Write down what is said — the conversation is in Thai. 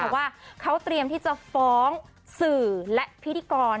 ว่าเขาเตรียมที่จะฟ้องสื่อและพิธีกร